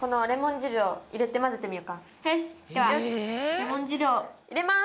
よしではレモン汁を入れます！